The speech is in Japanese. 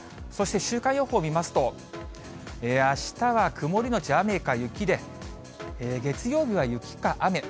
そして週間予報見ますと、あしたは曇り後雨か雪で、月曜日は雪か雨。